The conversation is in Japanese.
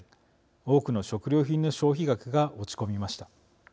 多くの食料品の消費額が落ち込みました。